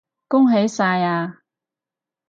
恭喜晒呀